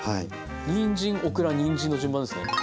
にんじんオクラにんじんの順番ですね。